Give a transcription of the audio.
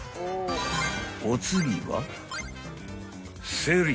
［お次は］